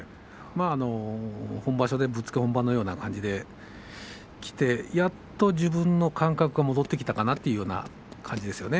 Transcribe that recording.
本番でぶっつけ本番のような感じでやっと自分の感覚が戻ってきたかなというような感じですよね。